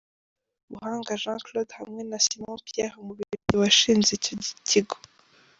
Buhanga Jean Claude hamwe na Simon Pierre umubiligi washinze icyo kigo.